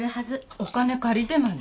お金借りてまで？